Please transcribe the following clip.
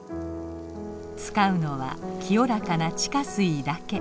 使うのは清らかな地下水だけ。